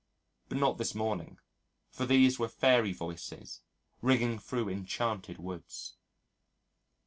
But not this morning. For these were fairy voices ringing through enchanted woods.